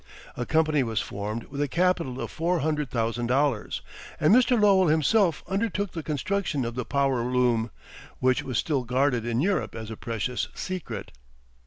A company was formed with a capital of four hundred thousand dollars, and Mr. Lowell himself undertook the construction of the power loom, which was still guarded in Europe as a precious secret.